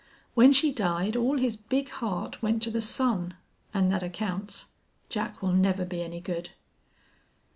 When she died all his big heart went to the son, an' thet accounts. Jack will never be any good."